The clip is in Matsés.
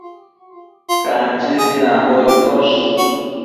Canchi sinanbo iccosh